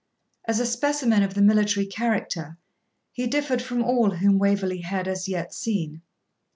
As a specimen of the military character, he differed from all whom Waverley had as yet seen.